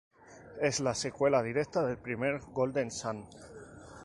Es la secuela directa del primer "Golden Sun".